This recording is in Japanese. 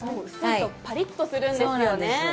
パリッとするんですよね。